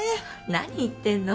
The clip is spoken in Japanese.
何言ってんの？